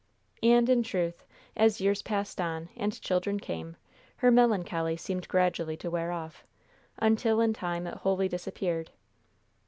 And, in truth, as years passed on, and children came, her melancholy seemed gradually to wear off, until in time it wholly disappeared.